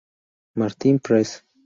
Martin's Press.